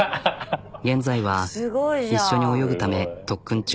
現在は一緒に泳ぐため特訓中。